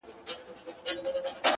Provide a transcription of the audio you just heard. اې تاته وايم دغه ستا تر سترگو بـد ايسو.